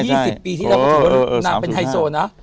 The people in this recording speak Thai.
เมื่อ๒๐ปีที่เรากำลังเป็นไทยโซนนะ